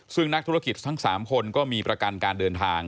ซึ่งนักธุรกิจทั้ง๓คนก็มีประกันการเดินทาง